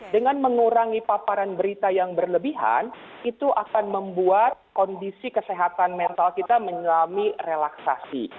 dengan mengurangi paparan berita yang berlebihan itu akan membuat kondisi kesehatan mental kita menyelami relaksasi